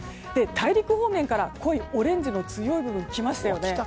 大陸方面から濃いオレンジの強い部分が来ましたよね。